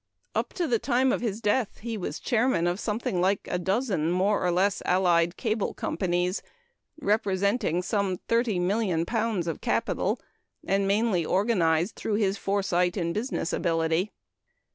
Up to the time of his death he was chairman of something like a dozen, more or less allied, cable companies, representing some £30,000,000 of capital, and mainly organized through his foresight and business ability.